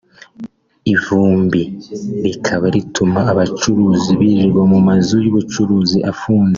ivumbi rikaba rituma abacuruzi birirwa mu mazu y’ubucuruzi afunze